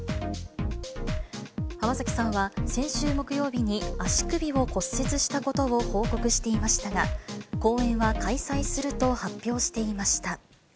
浜崎さんは先週木曜日に足首を骨折したことを報告していましたが、公演は開催すると発表していました。